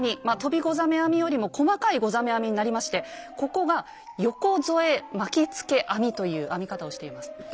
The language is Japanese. まあ飛びござ目編みよりも細かいござ目編みになりましてここが「ヨコ添え巻きつけ編み」という編み方をしています。